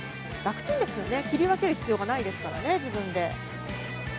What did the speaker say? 楽ちんですよね、切り分ける必要がないですからね、自分で。